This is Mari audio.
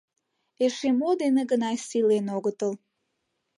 Эше мо дене гына сийлен огытыл!